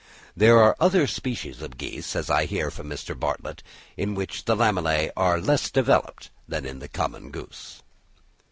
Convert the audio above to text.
There are other species of geese, as I hear from Mr. Bartlett, in which the lamellæ are less developed than in the common goose.